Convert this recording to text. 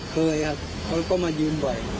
เคยครับเขาก็มายืนบ่อย